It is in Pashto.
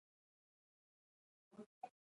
لوگر د افغانستان د اقلیم ځانګړتیا ده.